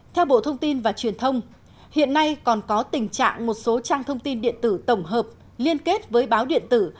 theo bộ thông tin và truyền thông hiện nay còn có tình trạng một số trang thông tin điện tử tổng hợp liên kết với báo điện tử